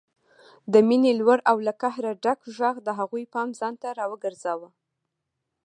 د مينې لوړ او له قهره ډک غږ د هغوی پام ځانته راوګرځاوه